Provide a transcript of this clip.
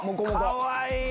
かわいい！